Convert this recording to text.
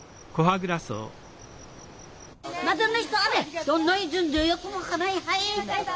はい！